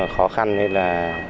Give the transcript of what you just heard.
khó khăn nên là